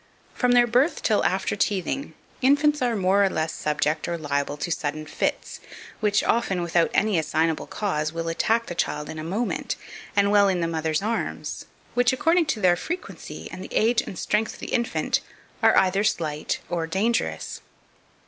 2519. From their birth till after teething, infants are more or less subject or liable to sudden fits, which often, without any assignable cause, will attack the child in a moment, and while in the mother's arms; and which, according to their frequency, and the age and strength of the infant, are either slight or dangerous.